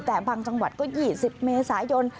แต่บางจังหวัดก็๒๐เมษายน